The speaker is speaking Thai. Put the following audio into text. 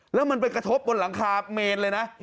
แล้วมันไปกระทบบนหลังคาเมนเลยนะ